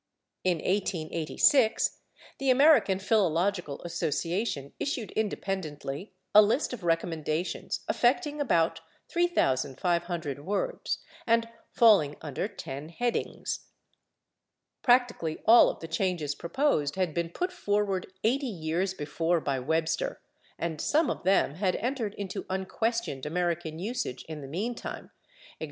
In 1886 the American Philological Association issued independently a list of recommendations affecting about 3,500 words, and falling under ten headings. Practically all of the changes proposed had been put forward 80 years before by Webster, and some of them had entered into unquestioned American usage in the meantime, /e. g.